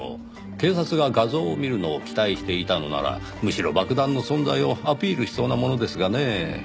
警察が画像を見るのを期待していたのならむしろ爆弾の存在をアピールしそうなものですがねぇ。